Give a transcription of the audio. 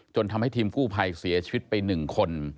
ทำให้ทีมกู้ภัยเสียชีวิตไป๑คน